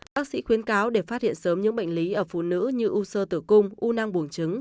bác sĩ khuyên cáo để phát hiện sớm những bệnh lý ở phụ nữ như u sơ tử cung u năng buồng trứng